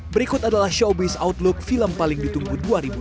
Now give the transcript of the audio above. berikut adalah showbiz outlook film paling ditunggu dua ribu dua puluh